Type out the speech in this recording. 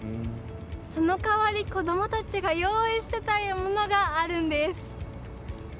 その代わり、子どもたちが用意していたものがあるんです。